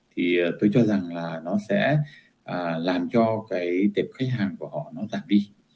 thì tôi cho rằng là nó sẽ làm cho cái tiệp khách hàng của họ nó giảm đi